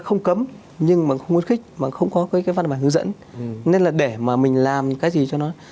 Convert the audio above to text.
không cấm nhưng mà không khuyến khích mà không có cái văn bản hướng dẫn nên là để mà mình làm cái gì cho nó